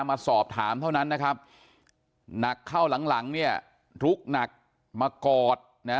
มาสอบถามเท่านั้นนะครับหนักเข้าหลังหลังเนี่ยลุกหนักมากอดนะ